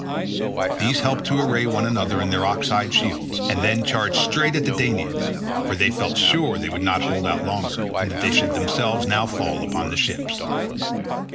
These helped to array one another in their ox hide shields, and then charged straight at the Danaans, for they felt sure that they would not hold out longer and that they should themselves now fall upon the ships.